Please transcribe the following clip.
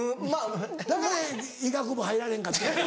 だから医学部入られへんかった。